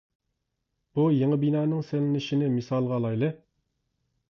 بۇ يېڭى بىنانىڭ سېلىنىشىنى مىسالغا ئالايلى.